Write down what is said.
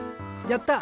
やった！